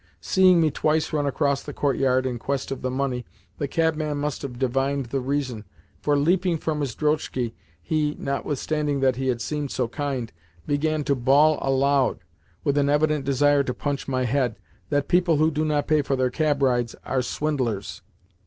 Seeing me twice run across the courtyard in quest of the money, the cabman must have divined the reason, for, leaping from his drozhki, he notwithstanding that he had seemed so kind began to bawl aloud (with an evident desire to punch my head) that people who do not pay for their cab rides are swindlers.